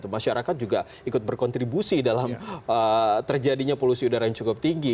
masyarakat juga ikut berkontribusi dalam terjadinya polusi udara yang cukup tinggi